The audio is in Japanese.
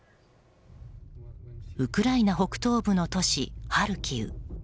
ウクライナ北東部の都市ハルキウ。